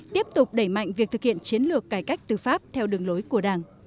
tiếp tục đẩy mạnh việc thực hiện chiến lược cải cách tư pháp theo đường lối của đảng